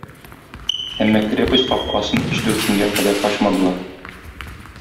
Әмма крепость капкасын өч-дүрт көнгә кадәр ачмадылар.